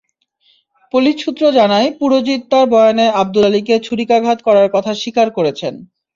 Police সূত্র জানায়, পুরজিৎ তার বয়ানে আবদুল আলীকে ছুরিকাঘাত করার কথা স্বীকার করেছেন।